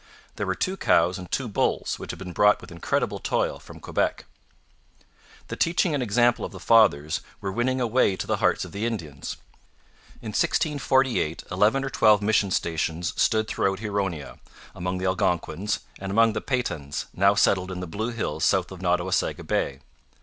There were two cows and two bulls, which had been brought with incredible toil from Quebec. The teaching and example of the fathers were winning a way to the hearts of the Indians. In 1648 eleven or twelve mission stations stood throughout Huronia, among the Algonquins, and among the Petuns, now settled in the Blue Hills south of Nottawasaga Bay.